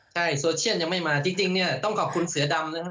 ใช่โซเชียลยังไม่มาต้องขอบคุณเสือดำนะฮะ